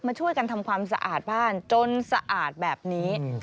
ช่วยกันทำความสะอาดบ้านจนสะอาดแบบนี้